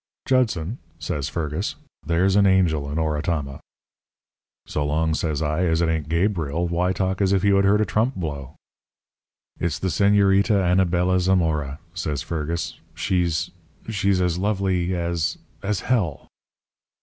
"'Judson,' says Fergus, 'there's an angel in Oratama.' "'So long,' says I, 'as it ain't Gabriel, why talk as if you had heard a trump blow?' "'It's the Señorita Anabela Zamora,' says Fergus. 'She's she's she's as lovely as as hell!'